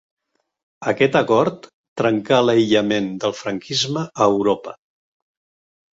Aquest acord trencà l'aïllament del franquisme a Europa.